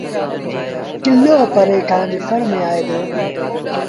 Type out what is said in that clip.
ڪلو پري کآݩ ڏسڻ ميݩ آئي دو۔